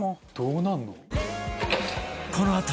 「どうなるの？」